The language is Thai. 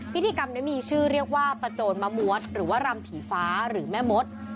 พิธีกรรมนี้มีชื่อเรียกว่าประโจนมะมวดหรือว่ารำผีฟ้าหรือแม่มด